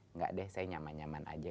enggak deh saya nyaman nyaman aja